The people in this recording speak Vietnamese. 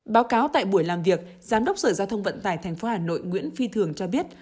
báo cáo tại buổi làm việc giám đốc sở giao thông vận tải tp hà nội nguyễn phi thường cho biết